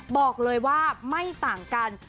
บอกเลยว่าไม่ต่างกัน